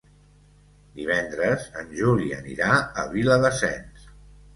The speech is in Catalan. Divendres en Juli anirà a Viladasens.